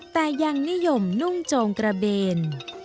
แต่ยังนิยมนุ่งโจงกระเบน